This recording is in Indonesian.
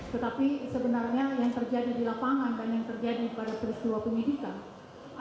tetapi sebenarnya yang terjadi di lapangan dan yang terjadi pada peristiwa penyidikan